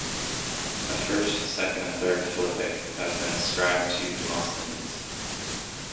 A First, Second, and Third Philippic have been ascribed to Demosthenes.